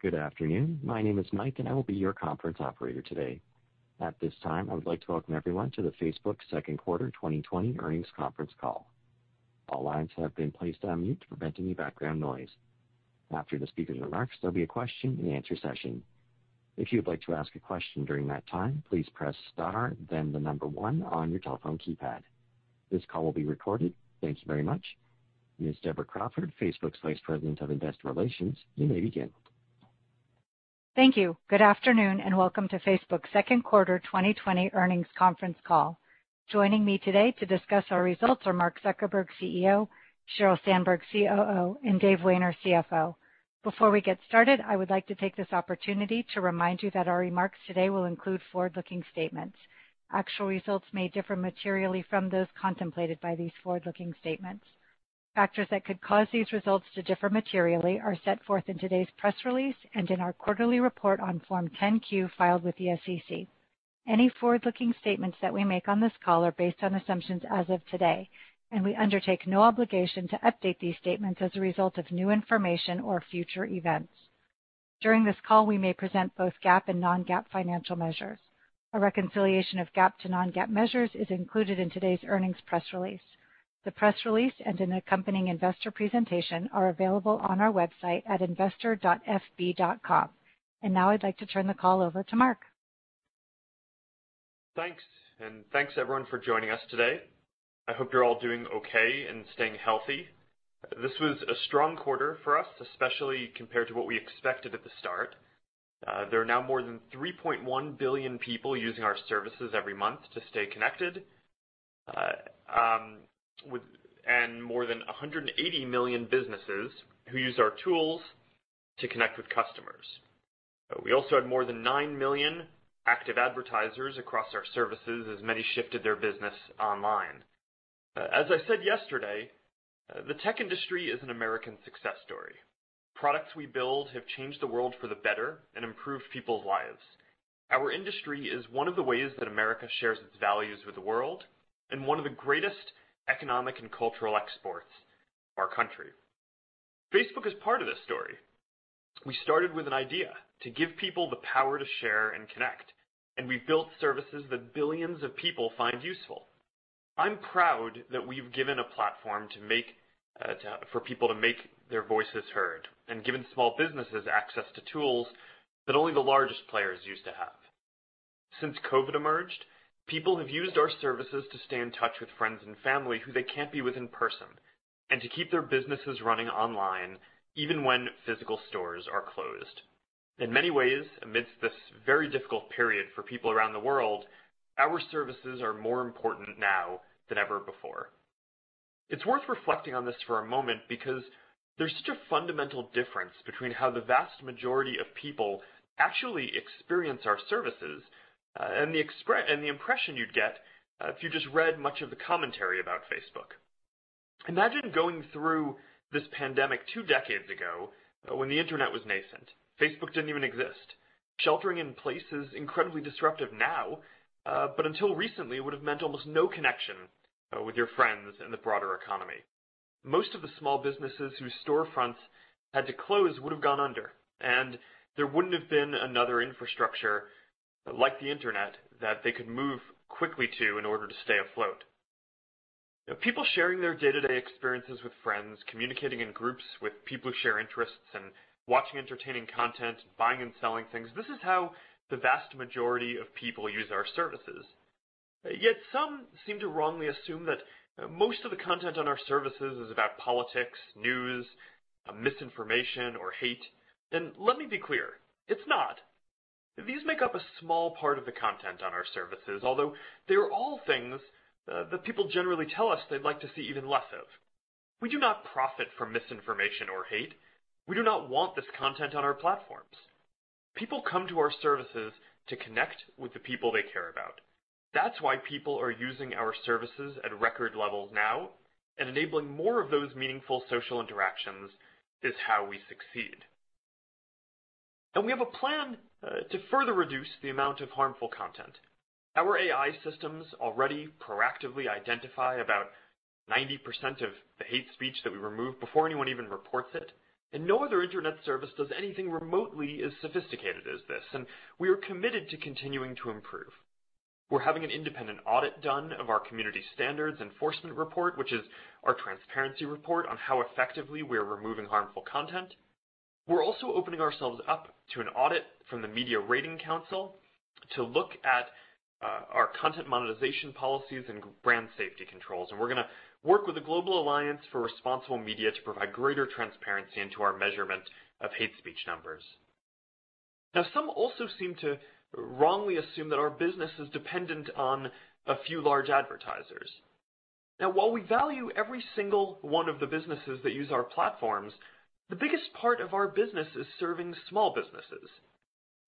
Good afternoon. My name is Mike, and I will be your conference operator today. At this time, I would like to welcome everyone to the Facebook second quarter 2020 earnings conference call. All lines have been placed on mute to prevent any background noise. After the speaker's remarks, there will be a question-and-answer session. If you would like to ask a question during that time, please press star then the number one on your telephone keypad. This call will be recorded. Thank you very much. Miss Deborah Crawford, Facebook's Vice President of Investor Relations, you may begin. Thank you. Good afternoon, and welcome to Facebook's second quarter 2020 earnings conference call. Joining me today to discuss our results are Mark Zuckerberg, CEO, Sheryl Sandberg, COO, and Dave Wehner, CFO. Before we get started, I would like to take this opportunity to remind you that our remarks today will include forward-looking statements. Actual results may differ materially from those contemplated by these forward-looking statements. Factors that could cause these results to differ materially are set forth in today's press release and in our quarterly report on Form 10-Q filed with the SEC. Any forward-looking statements that we make on this call are based on assumptions as of today, and we undertake no obligation to update these statements as a result of new information or future events. During this call, we may present both GAAP and non-GAAP financial measures. A reconciliation of GAAP to non-GAAP measures is included in today's earnings press release. The press release and an accompanying investor presentation are available on our website at investor.fb.com. Now I'd like to turn the call over to Mark. Thanks, thanks, everyone, for joining us today. I hope you're all doing okay and staying healthy. This was a strong quarter for us, especially compared to what we expected at the start. There are now more than 3.1 billion people using our services every month to stay connected. More than 180 million businesses who use our tools to connect with customers. We also had more than 9 million active advertisers across our services as many shifted their business online. As I said yesterday, the tech industry is an American success story. Products we build have changed the world for the better and improved people's lives. Our industry is one of the ways that America shares its values with the world and one of the greatest economic and cultural exports of our country. Facebook is part of this story. We started with an idea to give people the power to share and connect. We built services that billions of people find useful. I'm proud that we've given a platform for people to make their voices heard and given small businesses access to tools that only the largest players used to have. Since COVID emerged, people have used our services to stay in touch with friends and family who they can't be with in person and to keep their businesses running online even when physical stores are closed. In many ways, amidst this very difficult period for people around the world, our services are more important now than ever before. It's worth reflecting on this for a moment because there's such a fundamental difference between how the vast majority of people actually experience our services, and the impression you'd get if you just read much of the commentary about Facebook. Imagine going through this pandemic two decades ago when the Internet was nascent. Facebook didn't even exist. Sheltering in place is incredibly disruptive now, but until recently, it would have meant almost no connection with your friends and the broader economy. Most of the small businesses whose storefronts had to close would have gone under, and there wouldn't have been another infrastructure like the Internet that they could move quickly to in order to stay afloat. People sharing their day-to-day experiences with friends, communicating in groups with people who share interests, and watching entertaining content, buying and selling things, this is how the vast majority of people use our services. Yet some seem to wrongly assume that most of the content on our services is about politics, news, misinformation, or hate. Let me be clear, it's not. These make up a small part of the content on our services. Although they are all things that people generally tell us they'd like to see even less of. We do not profit from misinformation or hate. We do not want this content on our platforms. People come to our services to connect with the people they care about. That's why people are using our services at record levels now, and enabling more of those meaningful social interactions is how we succeed. We have a plan to further reduce the amount of harmful content. Our AI systems already proactively identify about 90% of the hate speech that we remove before anyone even reports it. No other Internet service does anything remotely as sophisticated as this, and we are committed to continuing to improve. We're having an independent audit done of our Community Standards Enforcement Report, which is our transparency report on how effectively we're removing harmful content. We're also opening ourselves up to an audit from the Media Rating Council to look at our content monetization policies and brand safety controls. We're gonna work with the Global Alliance for Responsible Media to provide greater transparency into our measurement of hate speech numbers. Now, some also seem to wrongly assume that our business is dependent on a few large advertisers. Now, while we value every single one of the businesses that use our platforms, the biggest part of our business is serving small businesses.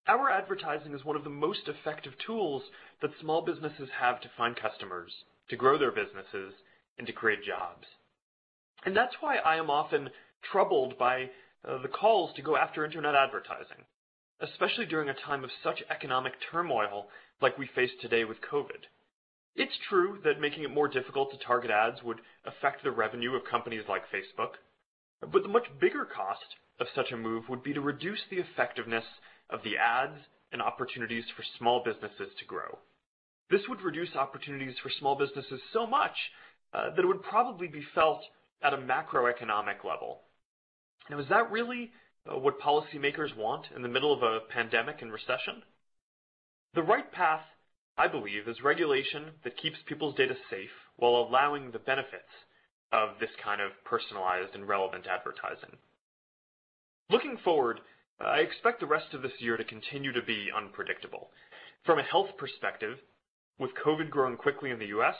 Our advertising is one of the most effective tools that small businesses have to find customers, to grow their businesses, and to create jobs. That's why I am often troubled by the calls to go after internet advertising, especially during a time of such economic turmoil like we face today with COVID. It's true that making it more difficult to target ads would affect the revenue of companies like Facebook, but the much bigger cost of such a move would be to reduce the effectiveness of the ads and opportunities for small businesses to grow. This would reduce opportunities for small businesses so much that it would probably be felt at a macroeconomic level. Is that really what policymakers want in the middle of a pandemic and recession? The right path, I believe, is regulation that keeps people's data safe while allowing the benefits of this kind of personalized and relevant advertising. Looking forward, I expect the rest of this year to continue to be unpredictable. From a health perspective, with COVID growing quickly in the U.S.,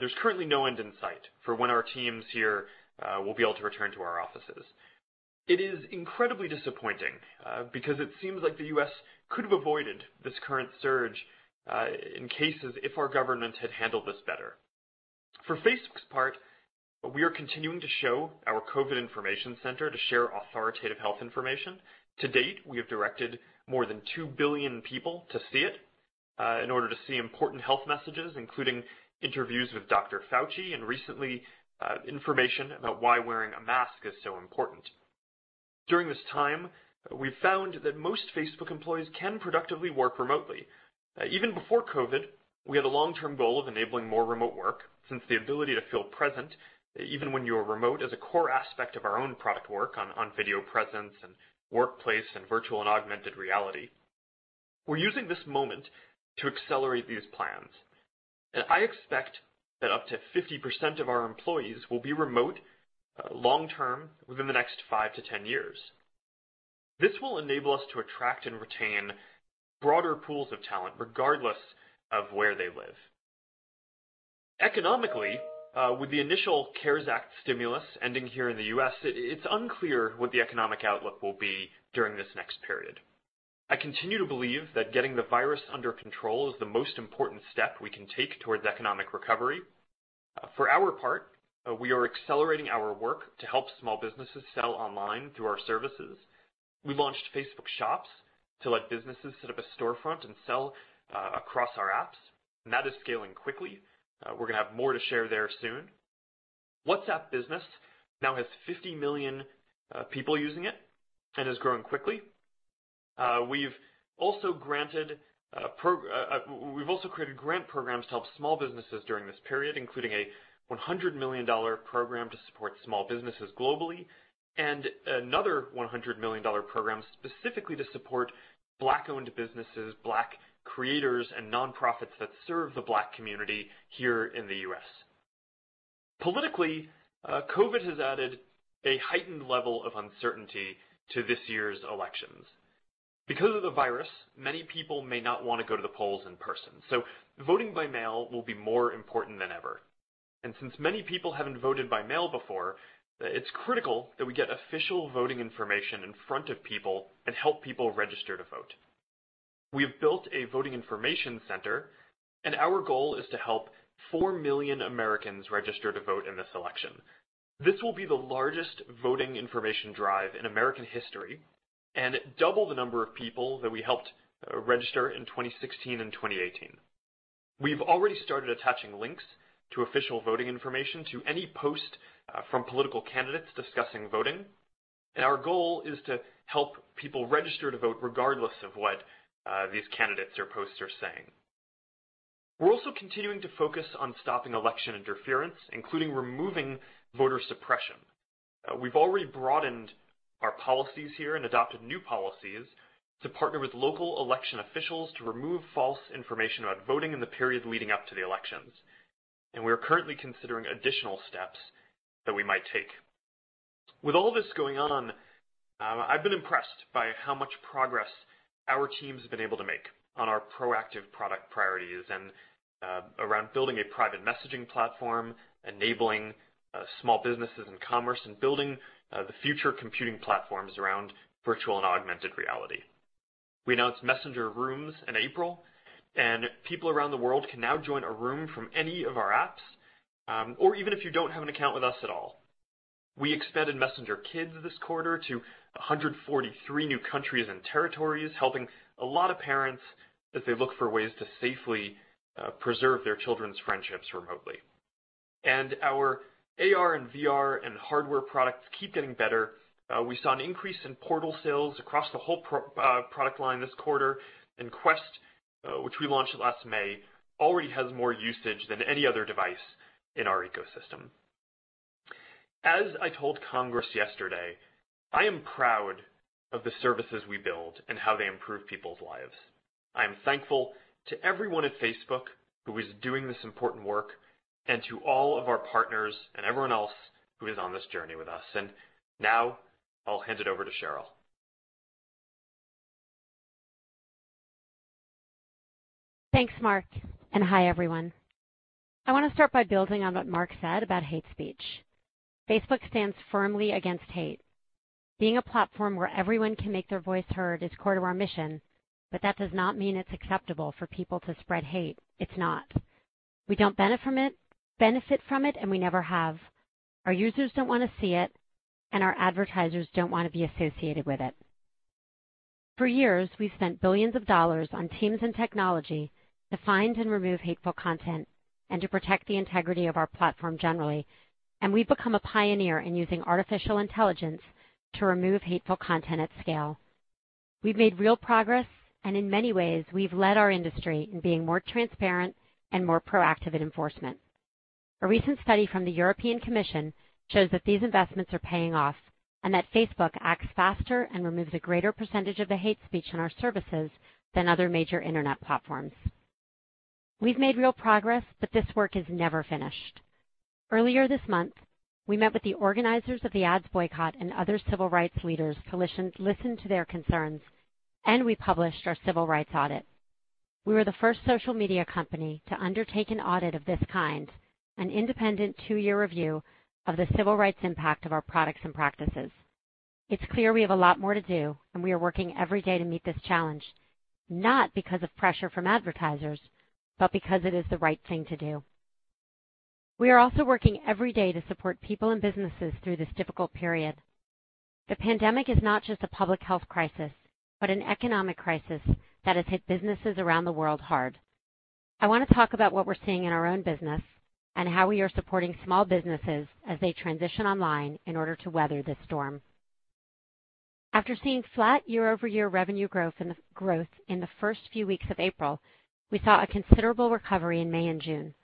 there's currently no end in sight for when our teams here will be able to return to our offices. It is incredibly disappointing, because it seems like the U.S. could have avoided this current surge in cases if our government had handled this better. For Facebook's part, we are continuing to show our COVID-19 Information Center to share authoritative health information. To date, we have directed more than 2 billion people to see it, in order to see important health messages, including interviews with Anthony Fauci and recently, information about why wearing a mask is so important. During this time, we found that most Facebook employees can productively work remotely. Even before COVID, we had a long-term goal of enabling more remote work since the ability to feel present, even when you are remote, is a core aspect of our own product work on video presence and workplace and virtual and augmented reality. We're using this moment to accelerate these plans. I expect that up to 50% of our employees will be remote, long-term within the next five-10 years. This will enable us to attract and retain broader pools of talent regardless of where they live. Economically, with the initial CARES Act stimulus ending here in the U.S., it's unclear what the economic outlook will be during this next period. I continue to believe that getting the virus under control is the most important step we can take towards economic recovery. For our part, we are accelerating our work to help small businesses sell online through our services. We launched Facebook Shops to let businesses set up a storefront and sell across our apps, and that is scaling quickly. We're gonna have more to share there soon. WhatsApp Business now has 50 million people using it and is growing quickly. We've also created grant programs to help small businesses during this period, including a $100 million program to support small businesses globally and another $100 million program specifically to support Black-owned businesses, Black creators, and nonprofits that serve the Black community here in the U.S. Politically, COVID has added a heightened level of uncertainty to this year's elections. Because of the virus, many people may not want to go to the polls in person, so voting by mail will be more important than ever. Since many people haven't voted by mail before, it's critical that we get official voting information in front of people and help people register to vote. We have built a Voting Information Center, and our goal is to help 4 million Americans register to vote in this election. This will be the largest voting information drive in American history and double the number of people that we helped register in 2016 and 2018. We've already started attaching links to official voting information to any post from political candidates discussing voting. Our goal is to help people register to vote regardless of what these candidates or posts are saying. We're also continuing to focus on stopping election interference, including removing voter suppression. We've already broadened our policies here and adopted new policies to partner with local election officials to remove false information about voting in the period leading up to the elections. We are currently considering additional steps that we might take. With all this going on, I've been impressed by how much progress our team's been able to make on our proactive product priorities and around building a private messaging platform, enabling small businesses and commerce, and building the future computing platforms around virtual and augmented reality. We announced Messenger Rooms in April, and people around the world can now join a room from any of our apps, or even if you don't have an account with us at all. We expanded Messenger Kids this quarter to 143 new countries and territories, helping a lot of parents as they look for ways to safely preserve their children's friendships remotely. Our AR and VR and hardware products keep getting better. We saw an increase in Portal sales across the whole product line this quarter, Quest, which we launched last May, already has more usage than any other device in our ecosystem. As I told Congress yesterday, I am proud of the services we build and how they improve people's lives. I am thankful to everyone at Facebook who is doing this important work and to all of our partners and everyone else who is on this journey with us. Now I'll hand it over to Sheryl. Thanks, Mark. Hi, everyone. I want to start by building on what Mark said about hate speech. Facebook stands firmly against hate. Being a platform where everyone can make their voice heard is core to our mission, but that does not mean it's acceptable for people to spread hate. It's not. We don't benefit from it, and we never have. Our users don't want to see it, and our advertisers don't want to be associated with it. For years, we've spent billions of dollars on teams and technology to find and remove hateful content and to protect the integrity of our platform generally, and we've become a pioneer in using artificial intelligence to remove hateful content at scale. We've made real progress, and in many ways, we've led our industry in being more transparent and more proactive in enforcement. A recent study from the European Commission shows that these investments are paying off and that Facebook acts faster and removes a greater percentage of the hate speech on our services than other major Internet platforms. We've made real progress, but this work is never finished. Earlier this month, we met with the organizers of the ads boycott and other civil rights leaders to listen to their concerns, and we published our civil rights audit. We were the first social media company to undertake an audit of this kind, an independent two-year review of the civil rights impact of our products and practices. It's clear we have a lot more to do, and we are working every day to meet this challenge, not because of pressure from advertisers, but because it is the right thing to do. We are also working every day to support people and businesses through this difficult period. The pandemic is not just a public health crisis, but an economic crisis that has hit businesses around the world hard. I want to talk about what we're seeing in our own business and how we are supporting small businesses as they transition online in order to weather this storm. After seeing flat year-over-year revenue growth in the first few weeks of April, we saw a considerable recovery in May and June.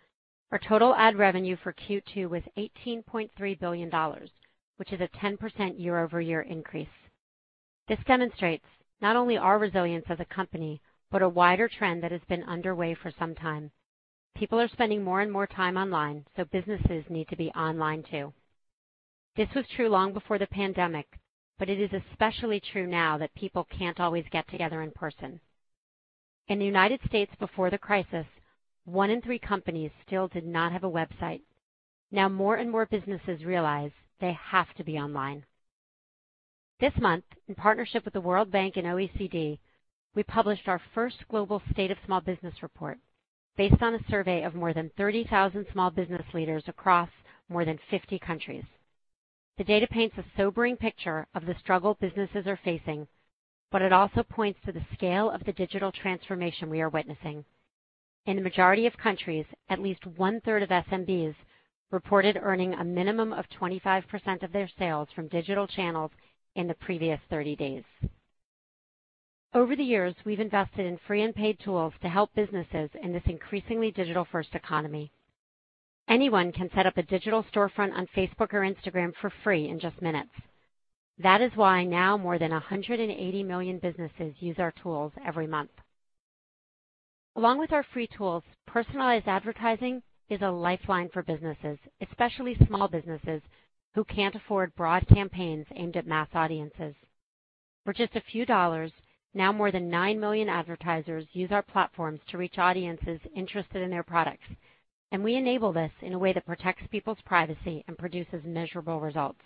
Our total ad revenue for Q2 was $18.3 billion, which is a 10% year-over-year increase. This demonstrates not only our resilience as a company, but a wider trend that has been underway for some time. People are spending more and more time online, businesses need to be online too. This was true long before the pandemic, but it is especially true now that people can't always get together in person. In the U.S. before the crisis, one in three companies still did not have a website. Now more and more businesses realize they have to be online. This month, in partnership with the World Bank and OECD, we published our first Global State of Small Business report based on a survey of more than 30,000 small business leaders across more than 50 countries. The data paints a sobering picture of the struggle businesses are facing, but it also points to the scale of the digital transformation we are witnessing. In the majority of countries, at least one-third of SMBs reported earning a minimum of 25% of their sales from digital channels in the previous 30 days. Over the years, we've invested in free and paid tools to help businesses in this increasingly digital-first economy. Anyone can set up a digital storefront on Facebook or Instagram for free in just minutes. That is why now more than 180 million businesses use our tools every month. Along with our free tools, personalized advertising is a lifeline for businesses, especially small businesses who can't afford broad campaigns aimed at mass audiences. For just a few dollars, now more than 9 million advertisers use our platforms to reach audiences interested in their products, and we enable this in a way that protects people's privacy and produces measurable results.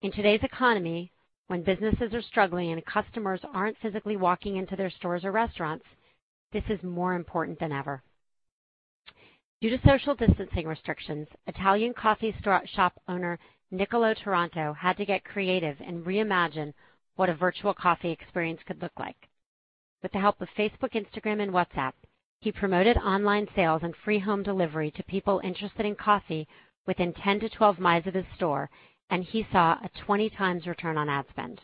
In today's economy, when businesses are struggling and customers aren't physically walking into their stores or restaurants, this is more important than ever. Due to social distancing restrictions, Italian coffee shop owner Nicolò Torano had to get creative and reimagine what a virtual coffee experience could look like. With the help of Facebook, Instagram and WhatsApp, he promoted online sales and free home delivery to people interested in coffee within 10-12 miles of his store, and he saw a 20 times return on ad spend.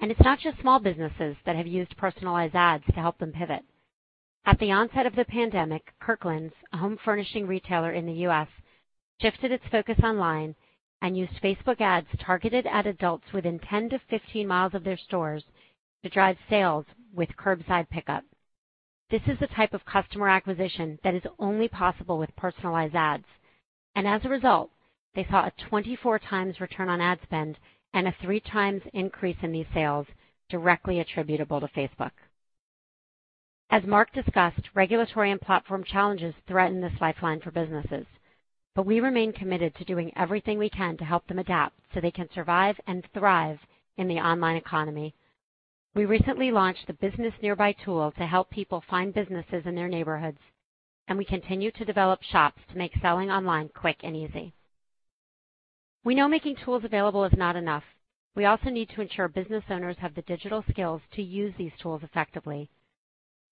It's not just small businesses that have used personalized ads to help them pivot. At the onset of the pandemic, Kirkland's, a home furnishing retailer in the U.S., shifted its focus online and used Facebook ads targeted at adults within 10-15 miles of their stores to drive sales with curbside pickup. This is the type of customer acquisition that is only possible with personalized ads. As a result, they saw a 24x return on ad spend and a 3x increase in these sales directly attributable to Facebook. As Mark discussed, regulatory and platform challenges threaten this lifeline for businesses, we remain committed to doing everything we can to help them adapt so they can survive and thrive in the online economy. We recently launched the Business Nearby tool to help people find businesses in their neighborhoods, we continue to develop shops to make selling online quick and easy. We know making tools available is not enough. We also need to ensure business owners have the digital skills to use these tools effectively.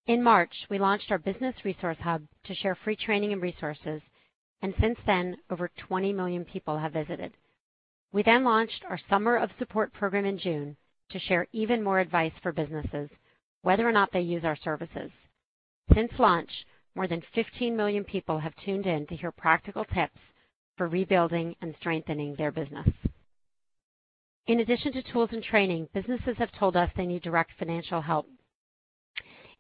In March, we launched our Business Resource Hub to share free training and resources, since then, over 20 million people have visited. We launched our Summer of Support program in June to share even more advice for businesses, whether or not they use our services. Since launch, more than 15 million people have tuned in to hear practical tips for rebuilding and strengthening their business. In addition to tools and training, businesses have told us they need direct financial help.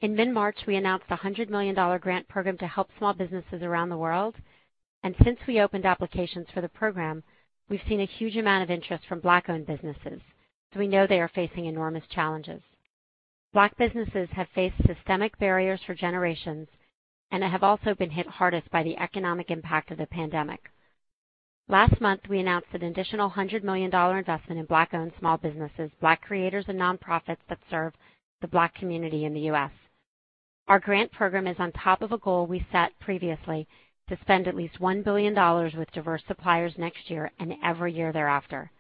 In mid-March, we announced a $100 million grant program to help small businesses around the world. Since we opened applications for the program, we've seen a huge amount of interest from Black-owned businesses, we know they are facing enormous challenges. Black businesses have faced systemic barriers for generations and have also been hit hardest by the economic impact of the pandemic. Last month, we announced an additional $100 million investment in Black-owned small businesses, Black creators, and nonprofits that serve the Black community in the U.S. Our grant program is on top of a goal we set previously to spend at least $1 billion with diverse suppliers next year and every year thereafter.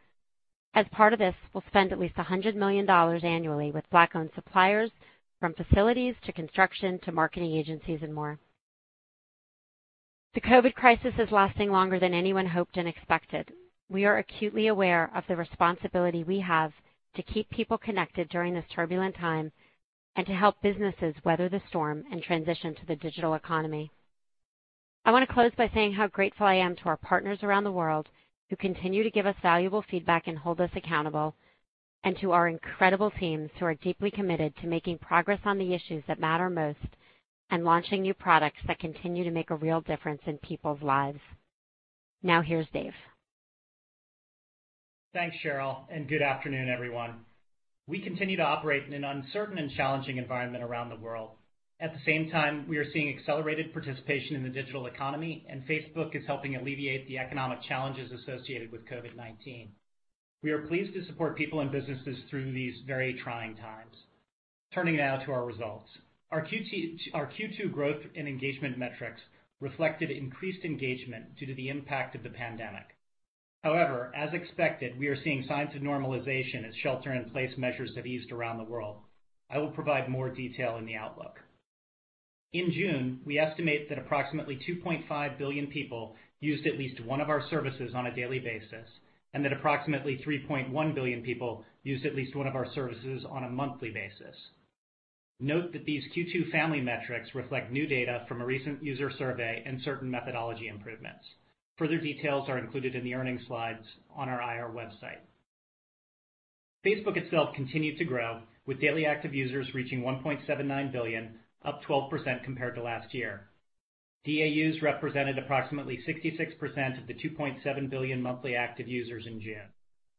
As part of this, we'll spend at least $100 million annually with Black-owned suppliers, from facilities to construction to marketing agencies and more. The COVID crisis is lasting longer than anyone hoped and expected. We are acutely aware of the responsibility we have to keep people connected during this turbulent time and to help businesses weather the storm and transition to the digital economy. I want to close by saying how grateful I am to our partners around the world who continue to give us valuable feedback and hold us accountable, and to our incredible teams who are deeply committed to making progress on the issues that matter most and launching new products that continue to make a real difference in people's lives. Now, here's Dave. Thanks, Sheryl, and good afternoon, everyone. We continue to operate in an uncertain and challenging environment around the world. At the same time, we are seeing accelerated participation in the digital economy, and Facebook is helping alleviate the economic challenges associated with COVID-19. We are pleased to support people and businesses through these very trying times. Turning now to our results. Our Q2 growth and engagement metrics reflected increased engagement due to the impact of the pandemic. As expected, we are seeing signs of normalization as shelter-in-place measures have eased around the world. I will provide more detail in the outlook. In June, we estimate that approximately 2.5 billion people used at least one of our services on a daily basis, and that approximately 3.1 billion people used at least one of our services on a monthly basis. Note that these Q2 family metrics reflect new data from a recent user survey and certain methodology improvements. Further details are included in the earnings slides on our IR website. Facebook itself continued to grow, with Daily Active Users reaching 1.79 billion, up 12% compared to last year. DAUs represented approximately 66% of the 2.7 billion Monthly Active Users in June.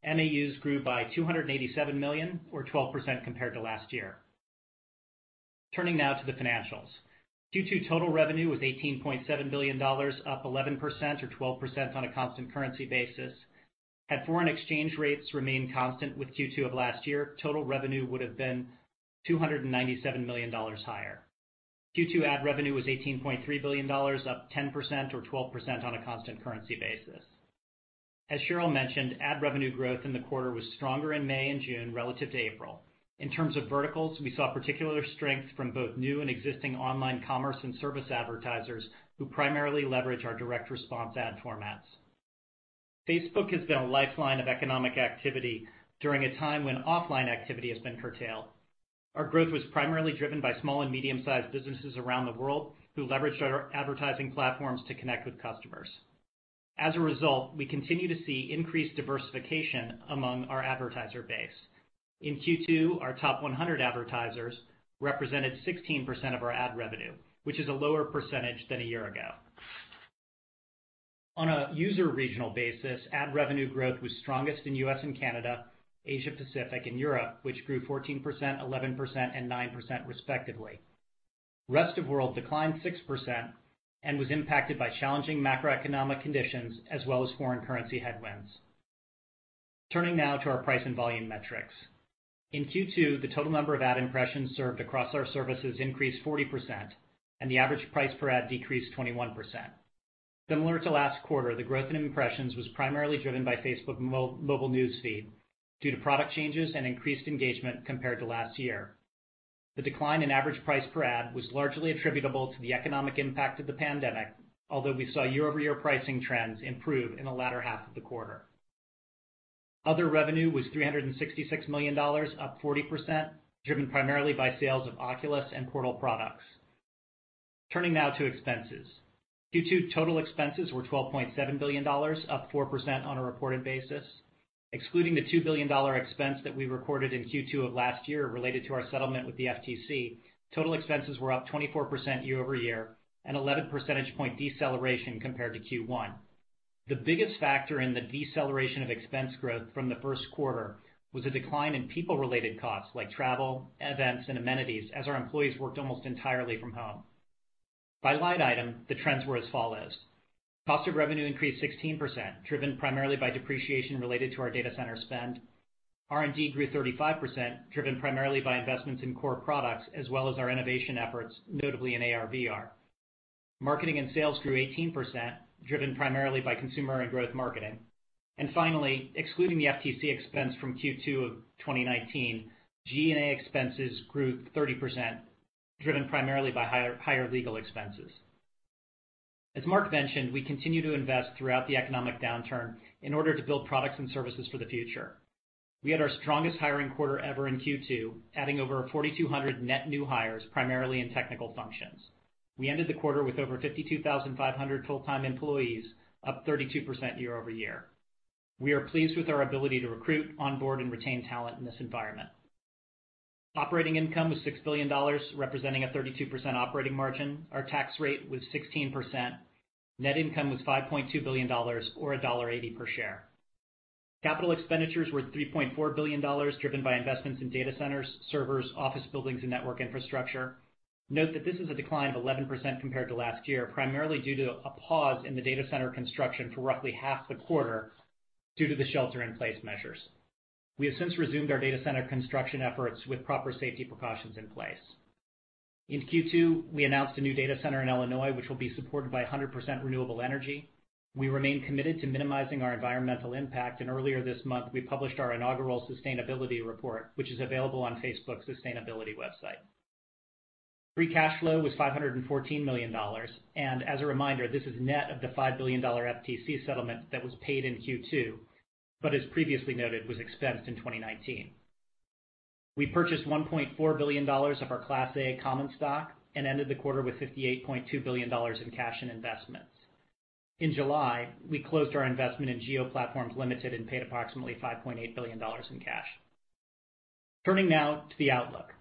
MAUs grew by 287 million, or 12% compared to last year. Turning now to the financials. Q2 total revenue was $18.7 billion, up 11%, or 12% on a constant currency basis. Had foreign exchange rates remained constant with Q2 of last year, total revenue would have been $297 million higher. Q2 ad revenue was $18.3 billion, up 10%, or 12% on a constant currency basis. As Sheryl mentioned, ad revenue growth in the quarter was stronger in May and June relative to April. In terms of verticals, we saw particular strength from both new and existing online commerce and service advertisers who primarily leverage our direct response ad formats. Facebook has been a lifeline of economic activity during a time when offline activity has been curtailed. Our growth was primarily driven by Small and Midsize Businesses around the world who leveraged our advertising platforms to connect with customers. As a result, we continue to see increased diversification among our advertiser base. In Q2, our top 100 advertisers represented 16% of our ad revenue, which is a lower percentage than a year ago. On a user regional basis, ad revenue growth was strongest in U.S. and Canada, Asia Pacific and Europe, which grew 14%, 11%, and 9% respectively. Rest of world declined 6% and was impacted by challenging macroeconomic conditions as well as foreign currency headwinds. Turning now to our price and volume metrics. In Q2, the total number of ad impressions served across our services increased 40%, and the average price per ad decreased 21%. Similar to last quarter, the growth in impressions was primarily driven by Facebook Mobile News Feed due to product changes and increased engagement compared to last year. The decline in average price per ad was largely attributable to the economic impact of the pandemic, although we saw year-over-year pricing trends improve in the latter half of the quarter. Other revenue was $366 million, up 40%, driven primarily by sales of Oculus and Portal products. Turning now to expenses. Q2 total expenses were $12.7 billion, up 4% on a reported basis. Excluding the $2 billion expense that we recorded in Q2 of last year related to our settlement with the FTC, total expenses were up 24% year-over-year and 11 percentage point deceleration compared to Q1. The biggest factor in the deceleration of expense growth from the first quarter was a decline in people-related costs like travel, events, and amenities, as our employees worked almost entirely from home. By line item, the trends were as follows. Cost of revenue increased 16%, driven primarily by depreciation related to our data center spend. R&D grew 35%, driven primarily by investments in core products as well as our innovation efforts, notably in AR/VR. Marketing and sales grew 18%, driven primarily by consumer and growth marketing. Excluding the FTC expense from Q2 2019, G&A expenses grew 30%, driven primarily by higher legal expenses. As Mark mentioned, we continue to invest throughout the economic downturn in order to build products and services for the future. We had our strongest hiring quarter ever in Q2, adding over 4,200 net new hires, primarily in technical functions. We ended the quarter with over 52,500 full-time employees, up 32% year-over-year. We are pleased with our ability to recruit, onboard, and retain talent in this environment. Operating income was $6 billion, representing a 32% operating margin. Our tax rate was 16%. Net income was $5.2 billion or $1.80 per share. Capital expenditures were $3.4 billion, driven by investments in data centers, servers, office buildings, and network infrastructure. Note that this is a decline of 11% compared to last year, primarily due to a pause in the data center construction for roughly half the quarter due to the shelter-in-place measures. We have since resumed our data center construction efforts with proper safety precautions in place. In Q2, we announced a new data center in Illinois, which will be supported by 100% renewable energy. We remain committed to minimizing our environmental impact. Earlier this month, we published our inaugural sustainability report, which is available on Facebook sustainability website. Free cash flow was $514 million. As a reminder, this is net of the $5 billion FTC settlement that was paid in Q2, but as previously noted, was expensed in 2019. We purchased $1.4 billion of our class A common stock and ended the quarter with $58.2 billion in cash and investments. In July, we closed our investment in Jio Platforms Limited and paid approximately $5.8 billion in cash. Turning now to the outlook.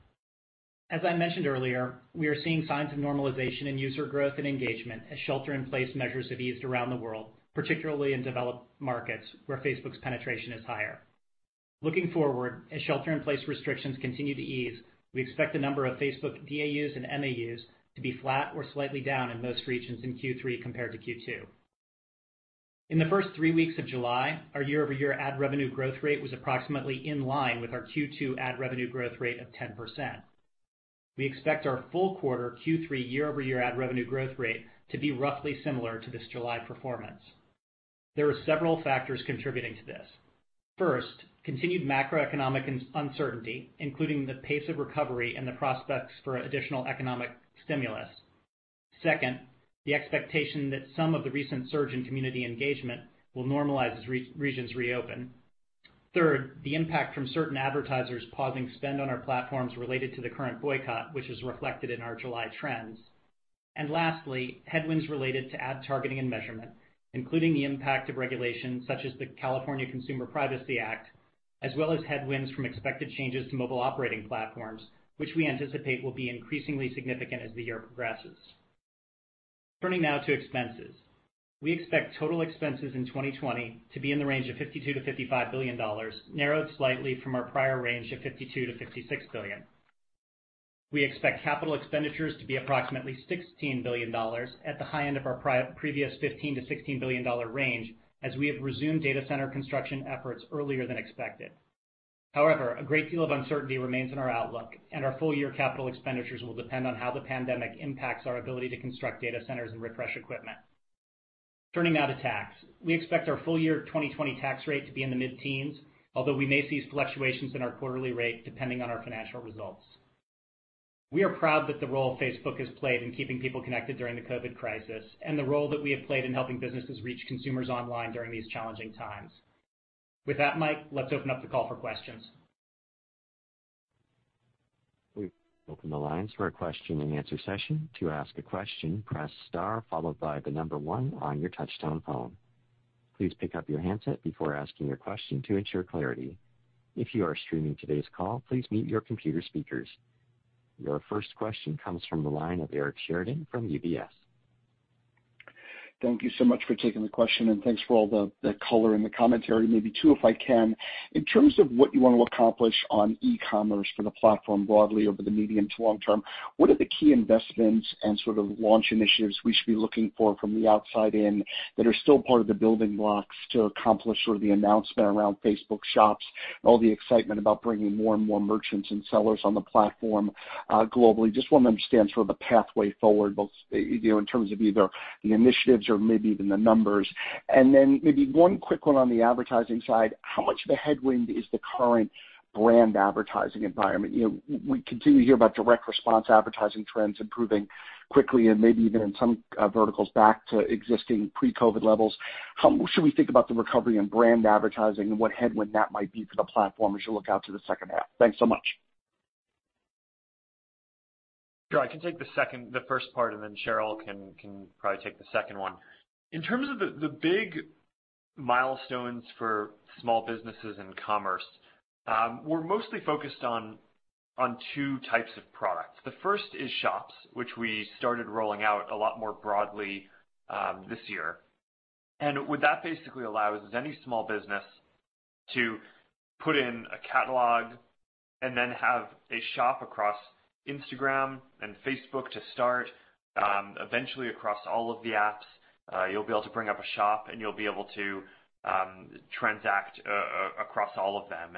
As I mentioned earlier, we are seeing signs of normalization in user growth and engagement as shelter-in-place measures have eased around the world, particularly in developed markets where Facebook's penetration is higher. Looking forward, as shelter-in-place restrictions continue to ease, we expect the number of Facebook DAUs and MAUs to be flat or slightly down in most regions in Q3 compared to Q2. In the first three weeks of July, our year-over-year ad revenue growth rate was approximately in line with our Q2 ad revenue growth rate of 10%. We expect our full quarter Q3 year-over-year ad revenue growth rate to be roughly similar to this July performance. There are several factors contributing to this. First, continued macroeconomic uncertainty, including the pace of recovery and the prospects for additional economic stimulus. Second, the expectation that some of the recent surge in community engagement will normalize as regions reopen. Third, the impact from certain advertisers pausing spend on our platforms related to the current boycott, which is reflected in our July trends. Lastly, headwinds related to ad targeting and measurement, including the impact of regulations such as the California Consumer Privacy Act, as well as headwinds from expected changes to mobile operating platforms, which we anticipate will be increasingly significant as the year progresses. Turning now to expenses. We expect total expenses in 2020 to be in the range of $52 billion-$55 billion, narrowed slightly from our prior range of $52 billion-$56 billion. We expect capital expenditures to be approximately $16 billion at the high end of our previous $15 billion-$16 billion range, as we have resumed data center construction efforts earlier than expected. However, a great deal of uncertainty remains in our outlook, and our full-year capital expenditures will depend on how the pandemic impacts our ability to construct data centers and refresh equipment. Turning now to tax. We expect our full-year 2020 tax rate to be in the mid-teens, although we may see fluctuations in our quarterly rate depending on our financial results. We are proud that the role Facebook has played in keeping people connected during the COVID crisis and the role that we have played in helping businesses reach consumers online during these challenging times. With that, Mike, let's open up the call for questions. We open the lines for a question-and-answer session. To ask a question, press star followed by the number one on your touchtone phone. Please pick up your handset before asking your question to ensure clarity. If you are streaming today's call, please meet your computer speakers. Your first question comes from the line of Eric Sheridan from UBS. Thank you so much for taking the question, thanks for all the color and the commentary. Maybe two, if I can. In terms of what you want to accomplish on e-commerce for the platform broadly over the medium to long term, what are the key investments and sort of launch initiatives we should be looking for from the outside in that are still part of the building blocks to accomplish sort of the announcement around Facebook Shops and all the excitement about bringing more and more merchants and sellers on the platform globally? Just want to understand sort of the pathway forward, both, you know, in terms of either the initiatives or maybe even the numbers. Then maybe one quick one on the advertising side. How much of a headwind is the current brand advertising environment? You know, we continue to hear about direct response advertising trends improving quickly and maybe even in some verticals back to existing pre-COVID levels. How should we think about the recovery in brand advertising and what headwind that might be for the platform as you look out to the second half? Thanks so much. Sure. I can take the first part, and then Sheryl can probably take the second one. In terms of the big milestones for small businesses and commerce, we're mostly focused on two types of products. The first is shops, which we started rolling out a lot more broadly this year. What that basically allows is any small business to put in a catalog and then have a shop across Instagram and Facebook to start, eventually across all of the apps. You'll be able to bring up a shop, and you'll be able to transact across all of them.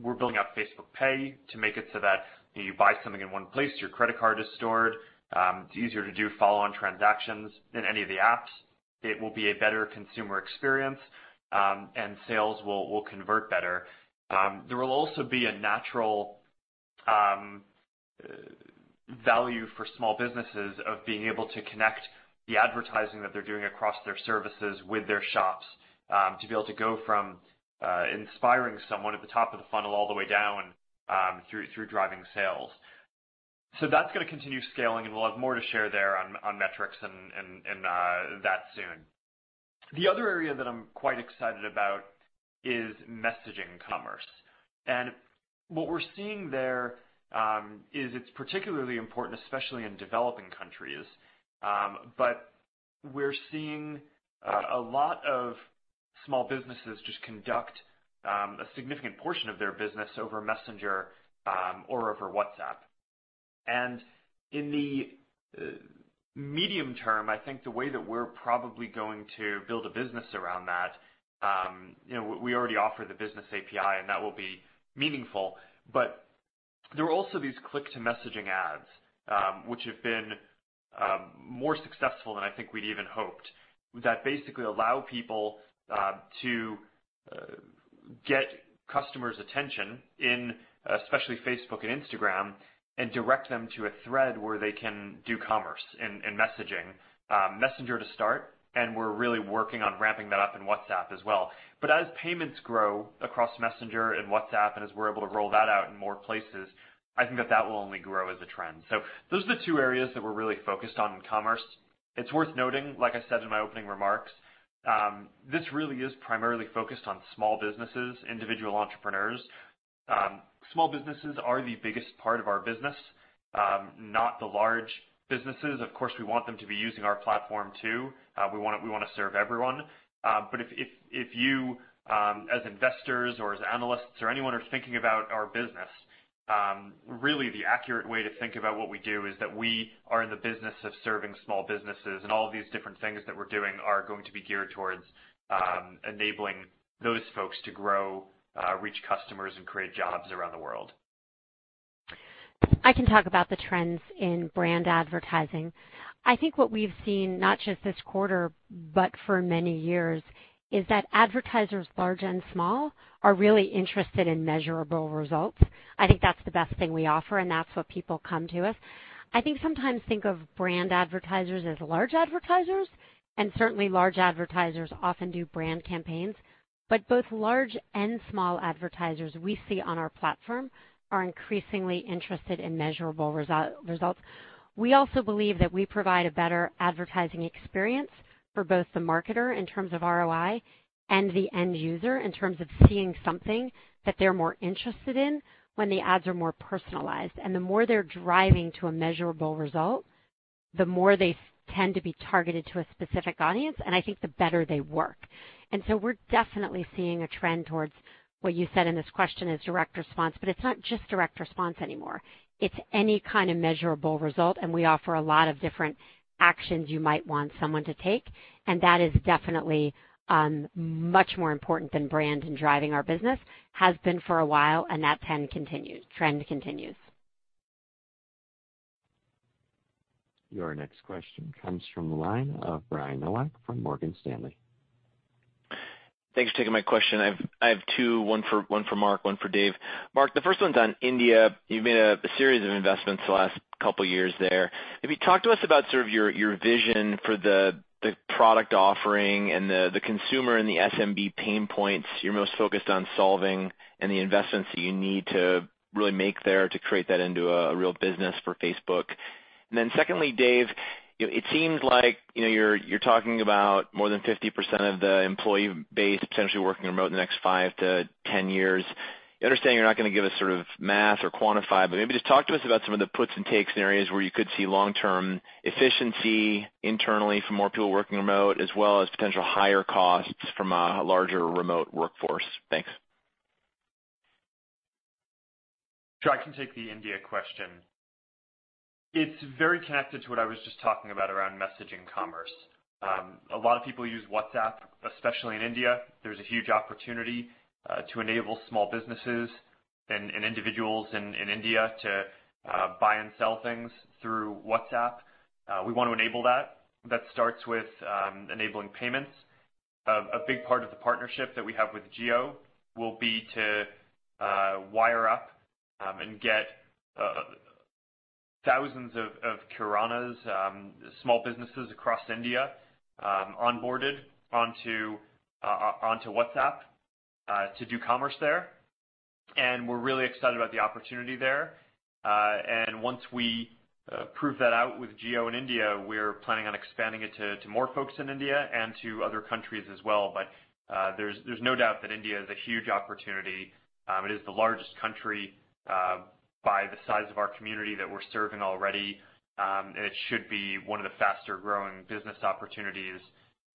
We're building out Facebook Pay to make it so that you buy something in one place, your credit card is stored, it's easier to do follow-on transactions in any of the apps. It will be a better consumer experience, and sales will convert better. There will also be a natural value for small businesses of being able to connect the advertising that they're doing across their services with their shops, to be able to go from inspiring someone at the top of the funnel all the way down, through driving sales. That's gonna continue scaling, and we'll have more to share there on metrics and that soon. What we're seeing there, is it's particularly important, especially in developing countries. But we're seeing a lot of small businesses just conduct a significant portion of their business over Messenger or over WhatsApp. In the medium term, I think the way that we're probably going to build a business around that, you know, we already offer the business API, and that will be meaningful. There are also these click-to-message ads, which have been more successful than I think we'd even hoped, that basically allow people to get customers' attention in, especially Facebook and Instagram, and direct them to a thread where they can do commerce in messaging. Messenger to start, we're really working on ramping that up in WhatsApp as well. As payments grow across Messenger and WhatsApp, and as we're able to roll that out in more places, I think that that will only grow as a trend. Those are the two areas that we're really focused on in commerce. It's worth noting, like I said in my opening remarks, this really is primarily focused on small businesses, individual entrepreneurs. Small businesses are the biggest part of our business, not the large businesses. Of course, we want them to be using our platform too. We wanna serve everyone. But if you, as investors or as analysts or anyone, are thinking about our business, really the accurate way to think about what we do is that we are in the business of serving small businesses, and all of these different things that we're doing are going to be geared towards enabling those folks to grow, reach customers, and create jobs around the world. I can talk about the trends in brand advertising. What we've seen, not just this quarter, but for many years, is that advertisers, large and small, are really interested in measurable results. That's the best thing we offer, and that's what people come to us. Sometimes think of brand advertisers as large advertisers, and certainly large advertisers often do brand campaigns. Both large and small advertisers we see on our platform are increasingly interested in measurable results. We also believe that we provide a better advertising experience for both the marketer in terms of ROI and the end user in terms of seeing something that they're more interested in when the ads are more personalized. The more they're driving to a measurable result, the more they tend to be targeted to a specific audience, the better they work. We're definitely seeing a trend towards what you said in this question is direct response, but it's not just direct response anymore. It's any kind of measurable result, and we offer a lot of different actions you might want someone to take, and that is definitely much more important than brand in driving our business, has been for a while, and that trend continues. Your next question comes from the line of Brian Nowak from Morgan Stanley. Thanks for taking my question. I have two, one for Mark, one for Dave. Mark, the first one on India. You've made a series of investments the last couple years there. Maybe talk to us about sort of your vision for the product offering and the consumer and the SMB pain points you're most focused on solving and the investments that you need to really make there to create that into a real business for Facebook. Secondly, Dave, you know, it seems like, you know, you're talking about more than 50% of the employee base potentially working remote in the next five-10 years. I understand you're not gonna give us sort of math or quantify, but maybe just talk to us about some of the puts and takes in areas where you could see long-term efficiency internally from more people working remote as well as potential higher costs from a larger remote workforce. Thanks. Sure. I can take the India question. It's very connected to what I was just talking about around messaging commerce. A lot of people use WhatsApp, especially in India. There's a huge opportunity to enable small businesses and individuals in India to buy and sell things through WhatsApp. We want to enable that. That starts with enabling payments. A big part of the partnership that we have with Jio will be to wire up and get thousands of kiranas, small businesses across India, onboarded onto WhatsApp to do commerce there. We're really excited about the opportunity there. Once we prove that out with Jio in India, we're planning on expanding it to more folks in India and to other countries as well. There's no doubt that India is a huge opportunity. It is the largest country by the size of our community that we're serving already. It should be one of the faster-growing business opportunities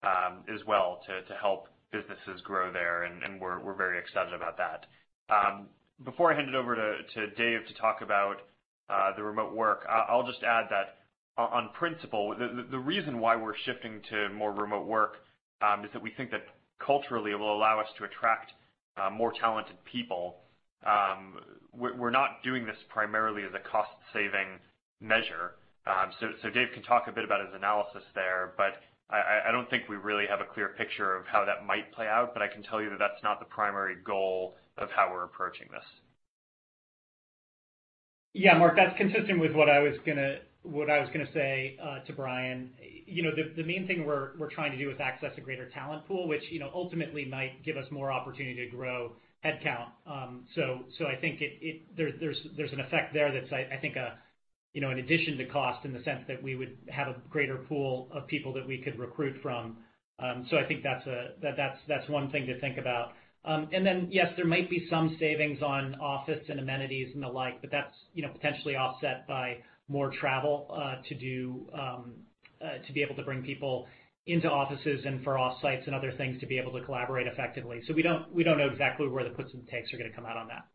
as well to help businesses grow there, and we're very excited about that. Before I hand it over to Dave to talk about the remote work, I'll just add that on principle, the reason why we're shifting to more remote work is that we think that culturally it will allow us to attract more talented people. We're not doing this primarily as a cost-saving measure. So Dave can talk a bit about his analysis there, but I don't think we really have a clear picture of how that might play out. I can tell you that that's not the primary goal of how we're approaching this. Yeah, Mark, that's consistent with what I was gonna say to Brian. You know, the main thing we're trying to do is access a greater talent pool, which, you know, ultimately might give us more opportunity to grow headcount. I think there's an effect there that's, I think a, you know, an addition to cost in the sense that we would have a greater pool of people that we could recruit from. I think that's one thing to think about. Yes, there might be some savings on office and amenities and the like, but that's, you know, potentially offset by more travel to do to be able to bring people into offices and for off-sites and other things to be able to collaborate effectively. We don't know exactly where the puts and takes are gonna come out on that.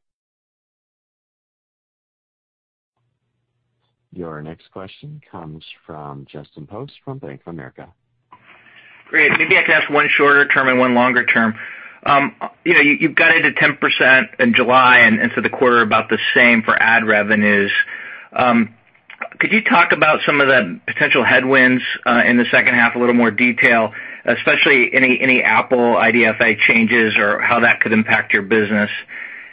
Your next question comes from Justin Post from Bank of America. Great. Maybe I can ask one shorter term and one longer term. You know, you've guided to 10% in July and for the quarter about the same for ad revenues. Could you talk about some of the potential headwinds in the second half a little more detail, especially any Apple IDFA changes or how that could impact your business?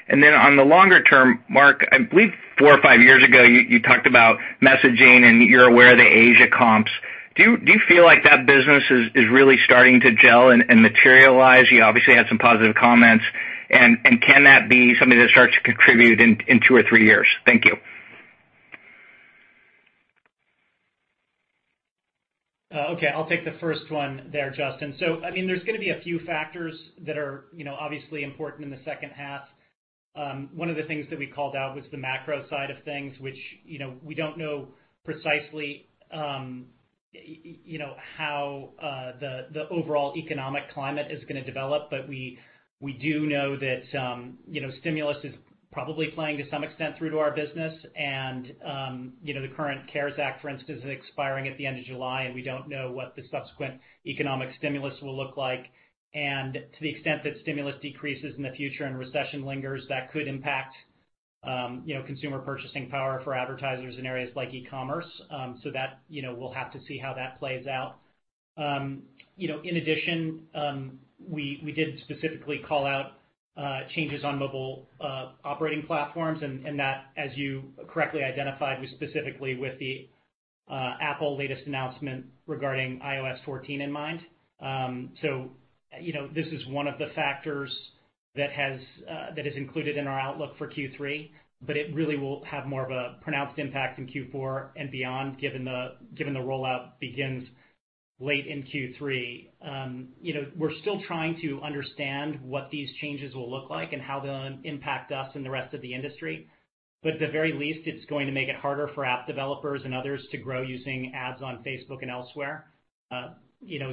Then on the longer term, Mark, I believe four or five years ago, you talked about messaging and you're aware of the Asia comps. Do you feel like that business is really starting to gel and materialize? You obviously had some positive comments. Can that be something that starts to contribute in two or three years? Thank you. Okay, I'll take the first one there, Justin. I mean, there's gonna be a few factors that are, you know, obviously important in the second half. One of the things that we called out was the macro side of things, which, you know, we don't know precisely, you know, how the overall economic climate is gonna develop. We do know that, you know, stimulus is probably playing to some extent through to our business. You know, the current CARES Act, for instance, is expiring at the end of July, and we don't know what the subsequent economic stimulus will look like. To the extent that stimulus decreases in the future and recession lingers, that could impact, you know, consumer purchasing power for advertisers in areas like e-commerce. That, you know, we'll have to see how that plays out. You know, in addition, we did specifically call out changes on mobile operating platforms, and that, as you correctly identified, was specifically with the Apple latest announcement regarding iOS 14 in mind. You know, this is one of the factors that has that is included in our outlook for Q3, but it really will have more of a pronounced impact in Q4 and beyond, given the rollout begins late in Q3. You know, we're still trying to understand what these changes will look like and how they'll impact us and the rest of the industry. At the very least, it's going to make it harder for app developers and others to grow using ads on Facebook and elsewhere. you know,